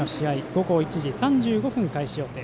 午後１時３５分開始予定。